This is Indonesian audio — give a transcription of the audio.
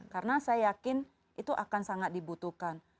karena saya yakin itu akan sangat dibutuhkan